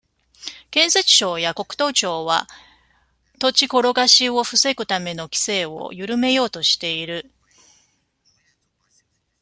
建設省や国土庁は、土地ころがしを防ぐための規制を、ゆるめようとしている。